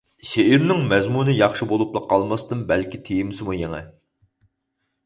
شېئىرنىڭ مەزمۇنى ياخشى بولۇپلا قالماستىن بەلكى تېمىسىمۇ يېڭى.